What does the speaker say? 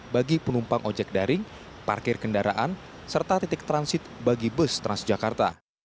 bagi penumpang ojek daring parkir kendaraan serta titik transit bagi bus transjakarta